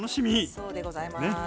そうでございます。